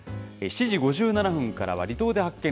７時５７分からは、離島で発見！